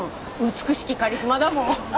美しきカリスマだもん。